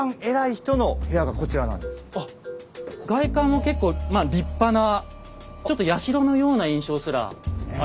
あっ外観も結構まあ立派なちょっと社のような印象すらありますよね。